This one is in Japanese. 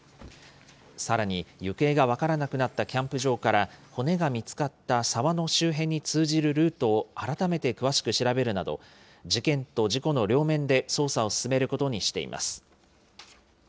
さらに、行方が分からなくなったキャンプ場から、骨が見つかった沢の周辺に通じるルートを改めて詳しく調べるなど、事件と事故の両面で捜査を進めることにしています。